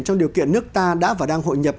trong điều kiện nước ta đã và đang hội nhập